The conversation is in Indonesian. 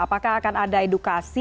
apakah akan ada edukasi